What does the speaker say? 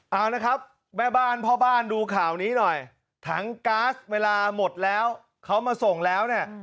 เอาละครับแม่บ้านพ่อบ้านดูข่าวนี้หน่อยถังก๊าซเวลาหมดแล้วเขามาส่งแล้วเนี่ย